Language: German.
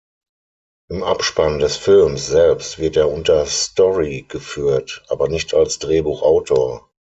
Im Abspann des Films selbst wird er unter "Story" geführt, aber nicht als Drehbuchautor.